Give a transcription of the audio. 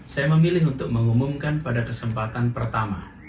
saya memilih untuk mengumumkan pada kesempatan pertama